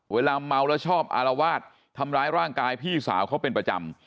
เวลาเมาแล้วชอบอารวาสทำร้ายร่างกายพี่สาวเขาเป็นประจำ